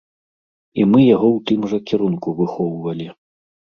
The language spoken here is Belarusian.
І мы яго ў тым жа кірунку выхоўвалі.